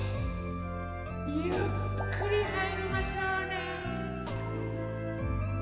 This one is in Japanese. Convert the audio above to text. ゆっくりはいりましょうね。